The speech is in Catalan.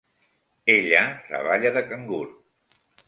Ella treballa de cangur.